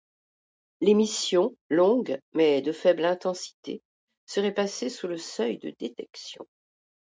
L'émission, longue, mais de faible intensité serait passée sous le seuil de détection.